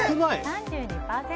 ３２％。